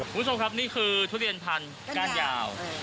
คุณผู้ชมครับนี่คือทุเรียนพันธุ์ก้านยาว